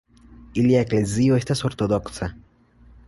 Ilia eklezio estas ortodoksa.